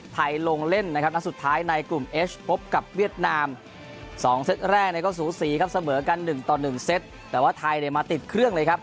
แต่ว่าไทยเนี่ยมาติดเครื่องเลยครับ